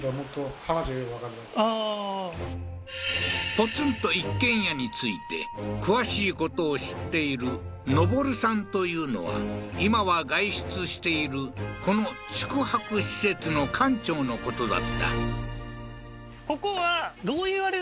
ポツンと一軒家について詳しいことを知っているノボルさんというのは今は外出しているこの宿泊施設の館長のことだった